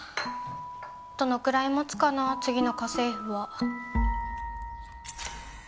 どのくらい持つかな次の家政婦は。